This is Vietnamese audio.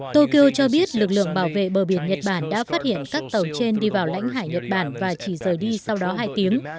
tokyo cho biết lực lượng bảo vệ bờ biển nhật bản đã phát hiện các tàu trên đi vào lãnh hải nhật bản và chỉ rời đi sau đó hai tiếng